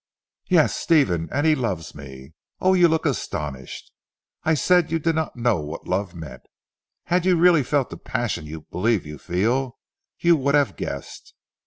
"Yes! Stephen, and he loves me. Oh, you look astonished. I said you did not know what love meant. Had you really felt the passion you believe you feel, you would have guessed.